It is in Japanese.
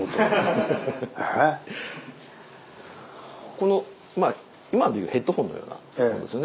この今でいうヘッドホンのようなものですよね。